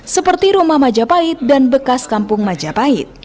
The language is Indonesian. seperti rumah majapahit dan bekas bekas kota kota